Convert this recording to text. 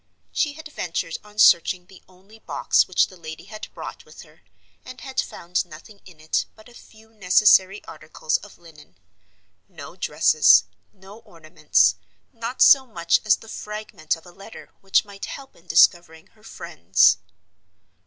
She had ventured on searching the only box which the lady had brought with her; and had found nothing in it but a few necessary articles of linen—no dresses, no ornaments, not so much as the fragment of a letter which might help in discovering her friends.